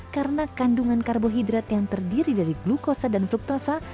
karena kandungan karbohidrat yang terdiri dari glukosa dan fruktosa